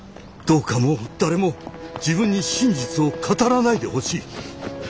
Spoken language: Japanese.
どうかもう誰も自分に真実を語らないでほしい。